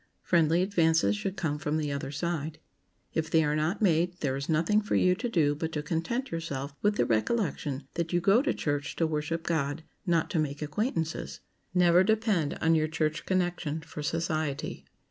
Friendly advances should come from the other side. If they are not made, there is nothing for you to do but to content yourself with the recollection that you go to church to worship God, not to make acquaintances. Never depend on your church connection for society.